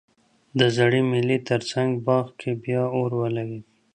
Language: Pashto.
د زړې مېلې ترڅنګ باغ کې بیا اور ولګیده